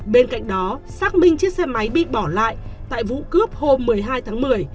bên cạnh đó xác minh chiếc xe máy bị bỏ lại tại vụ cướp hôm một mươi hai tháng một mươi